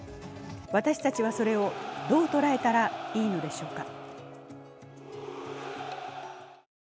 私たちはそれをどう捉えたらいいのでしょうか。